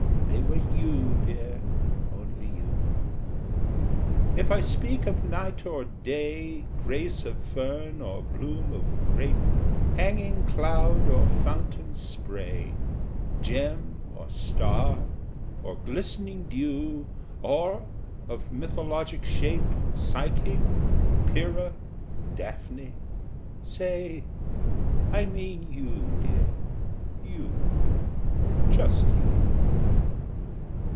They were you, dear, only you. If I speak of night or day, Grace of fern or bloom of grape, Hanging cloud or fountain spray, Gem or star or glistening dew, Or of mythologic shape, Psyche, Pyrrha, Daphne, say I mean you, dear, you, just you.